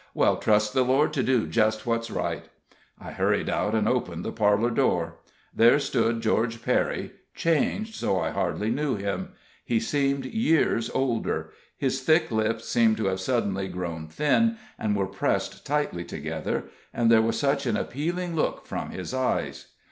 "Well, trust the Lord to do just what's right." I hurried out and opened the parlor door. There stood George Perry, changed so I hardly knew him. He seemed years older; his thick lips seemed to have suddenly grown thin, and were pressed tightly together, and there was such an appealing look from his eyes.